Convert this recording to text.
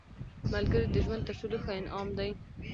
ملګری د ژوند تر ټولو ښه انعام دی